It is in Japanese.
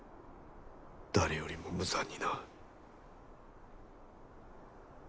誰よりも無残にな。